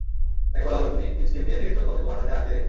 তাকে বলা হল, তুমি ইযকীলকে দেখেছ, তবে তোমার সাথে আর কে দেখেছে?